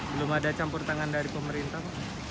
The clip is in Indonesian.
belum ada campur tangan dari pemerintah pak